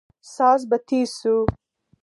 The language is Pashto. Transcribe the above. ساز به تېز سو.